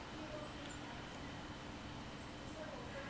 应天府乡试第五十七名。